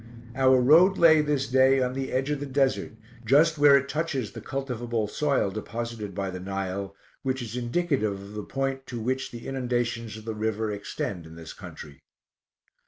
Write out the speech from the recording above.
Our road lay this day on the edge of the Desert, just where it touches the cultivable soil deposited by the Nile, which is indicative of the point to which the inundations of the river extend in this country.